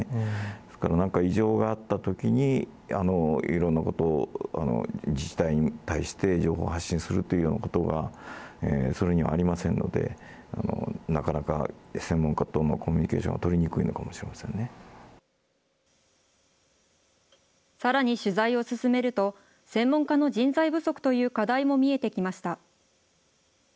ですからなんか異常があったときに、いろんなことを自治体に対して情報発信するというようなことがそれにはありませんので、なかなか専門家とのコミュニケーションはさらに取材を進めると、専門家の人材不足という課題も見えてきました。